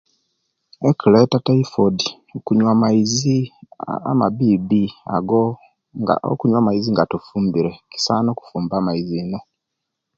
Ekireta typhoid kunyuwa maizi amabibi ago ga okunyuwa amaizi nga tofumbire kisana okufumba amaizi ino